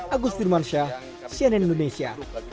agus firman shah cnn indonesia